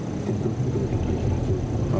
ก็ต้องมาถึงจุดตรงนี้ก่อนใช่ไหม